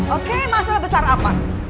oke masalah besar apa